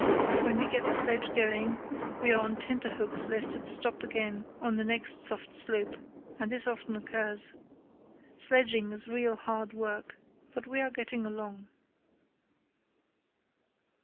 When we get the sledge going we are on tenter hooks lest it stop again on the next soft slope, and this often occurs. Sledging is real hard work; but we are getting along."